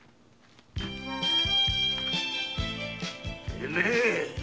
てめえ！